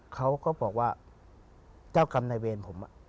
เขาก็บอกว่าเจ้ากรรมนายเวรผม